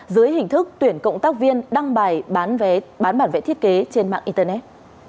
dưới hình thức tuyển cộng tác viên đăng bài bán bản vẽ thiết kế trên mạng internet